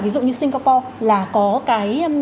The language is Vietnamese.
ví dụ như singapore là có cái